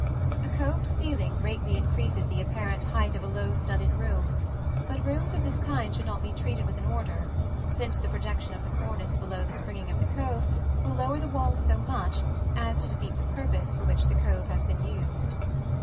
A coved ceiling greatly increases the apparent height of a low studded room; but rooms of this kind should not be treated with an order, since the projection of the cornice below the springing of the cove will lower the walls so much as to defeat the purpose for which the cove has been used.